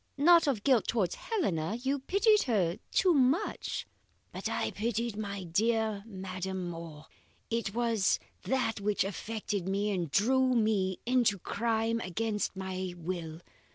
Not of guilt towards Helena; you pitied her too much " "But I pitied my dear madam more. It was that which affected me and drew me into crime against my will.